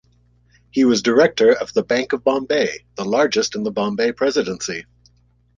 He was director of the Bank of Bombay, the largest in the Bombay Presidency.